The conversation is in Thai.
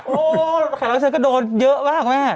โอ้โหแต่แล้วฉันก็โดนเยอะมากแม่